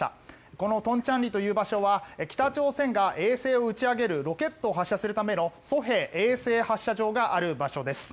この東倉里という場所は北朝鮮が衛星を打ち上げるロケット発射をするための西海衛星発射場がある場所です。